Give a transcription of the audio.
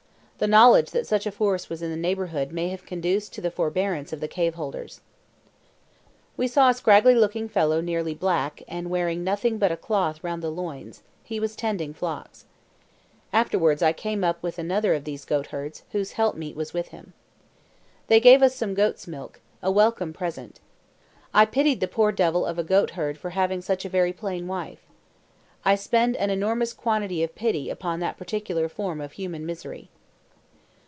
The knowledge that such a force was in the neighbourhood may have conduced to the forbearance of the cave holders. We saw a scraggy looking fellow nearly black, and wearing nothing but a cloth round the loins; he was tending flocks. Afterwards I came up with another of these goatherds, whose helpmate was with him. They gave us some goat's milk, a welcome present. I pitied the poor devil of a goatherd for having such a very plain wife. I spend an enormous quantity of pity upon that particular form of human misery.